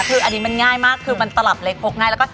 คือของอันนี้มันง่ายมากคือมันตลับเล็กพกง่ายนะ